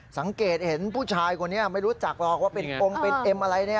สังเกตเห็นผู้ชายคนนี้ไม่รู้จักหรอกว่าเป็นองค์เป็นเอ็มอะไร